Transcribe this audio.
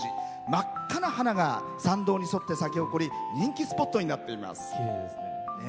真っ赤な花が参道に沿って咲き誇り人気スポットになっています。